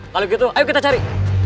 kalau gitu ayo kita cari